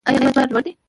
ایا زما فشار لوړ دی؟